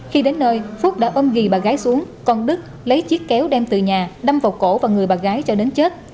khi đến nơi phúc đã ôm ghi bà gái xuống còn đức lấy chiếc kéo đem từ nhà đâm vào cổ và người bà gái cho đến chết